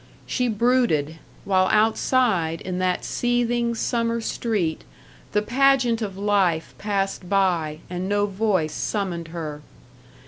She brooded, while outside, in that seething summer street, the pageant of life passed by and no voice summoned her.